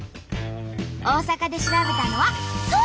大阪で調べたのはソース！